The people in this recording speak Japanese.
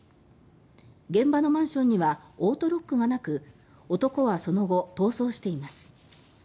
現場のマンションにはオートロックがなく男はその後逃走しています。